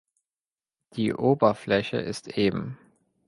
Die Oberfläche ist eben.